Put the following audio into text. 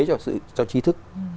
cho trí thức